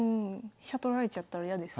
飛車取られちゃったら嫌ですね。